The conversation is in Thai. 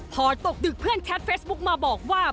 พอตกดึกเพื่อนแคทเฟซบุ๊กมาบอกว่า